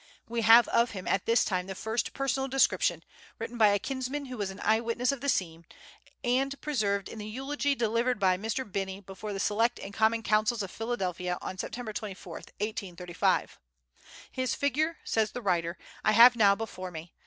We have of him at this time the first personal description, written by a kinsman who was an eye witness of the scene, and preserved in the eulogy delivered by Mr. Binney before the Select and Common Councils of Philadelphia on Sept. 24, 1835. "His figure," says the writer, "I have now before me.